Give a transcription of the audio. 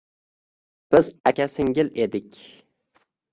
Biz aka-singil edik